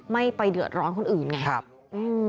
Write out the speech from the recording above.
ไม่ไปเดือดร้อนคนอื่นไงครับ